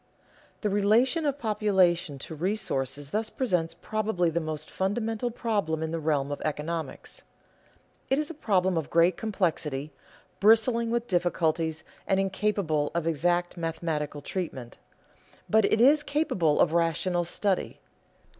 The relation of population to resources thus presents probably the most fundamental problem in the realm of economics. It is a problem of great complexity, bristling with difficulties, and incapable of exact mathematical treatment; but it is capable of rational study.